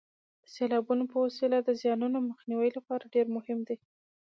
د سیلابونو په وسیله د زیانونو مخنیوي لپاره ډېر مهم دي.